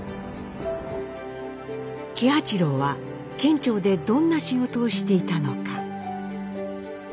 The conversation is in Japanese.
喜八郎は県庁でどんな仕事をしていたのか。